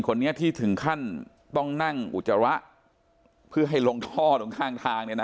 คนนี้ที่ถึงขั้นต้องนั่งอุจจาระเพื่อให้ลงท่อตรงข้างทางเนี่ยนะ